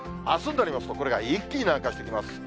あすになりますと、これが一気に南下してきます。